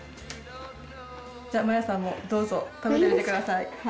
じゃあマヤさんもどうぞ食べてみてください。